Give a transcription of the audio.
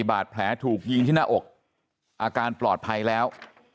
บาดแผลถูกยิงที่หน้าอกอาการปลอดภัยแล้ว